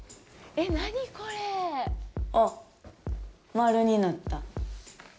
あっ、丸になった。